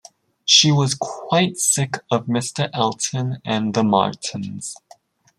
She was quite sick of Mr Elton and the Martins.